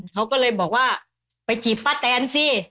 เขาก็เลยบอกว่าไปจีบป้าแตนสิ